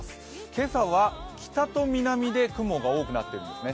今朝は北と南で雲が多くなっていますね。